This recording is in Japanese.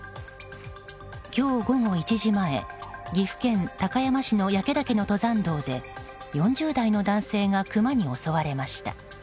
今日午後１時前岐阜県高山市の焼岳の登山道で、４０代の男性がクマに襲われました。